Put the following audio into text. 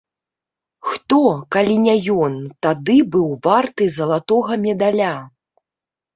Хто, калі не ён, тады быў варты залатога медаля?